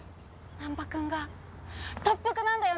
難破君が特服なんだよね？